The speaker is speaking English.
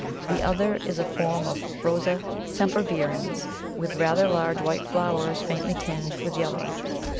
The other is a form of Rosa sempervirens, with rather large white flowers faintly tinged with yellow.